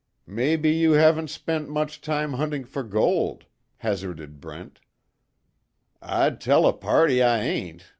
"Maybe you haven't spent much time hunting for gold," hazarded Brent. "I'd tell a party I hain't!